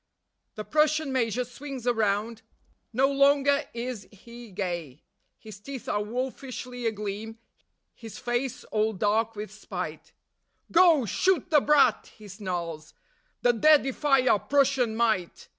The Prussian Major swings around; no longer is he gay. His teeth are wolfishly agleam; his face all dark with spite: "Go, shoot the brat," he snarls, "that dare defy our Prussian might.